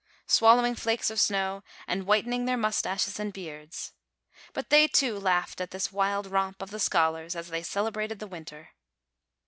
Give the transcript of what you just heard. swallowing flakes of snow, and whitening their moustaches and beards. But they, too, laughed at this wild romp of the scholars, as they celebrated the winter.